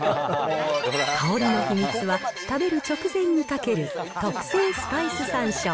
香りの秘密は、食べる直前にかける特製スパイスさんしょう。